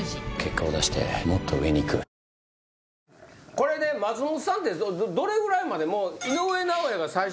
これ松本さんってどれぐらいまで。